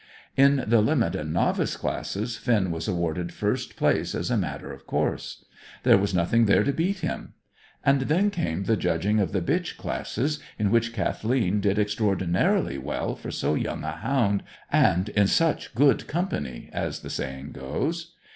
In the Limit and Novice classes Finn was awarded first place as a matter of course. There was nothing there to beat him. And then came the judging of the bitch classes, in which Kathleen did extraordinarily well for so young a hound, and in such "good company," as the saying goes.